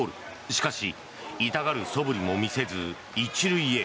しかし、痛がるそぶりも見せず１塁へ。